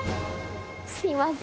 すいません。